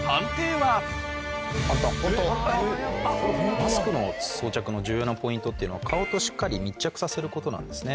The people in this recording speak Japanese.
マスクの装着の重要なポイントというのは顔としっかり密着させることなんですね。